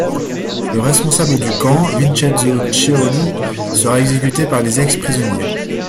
Le responsable du camp, Vincenzo Ciauli, sera exécuté par les ex-prisonniers.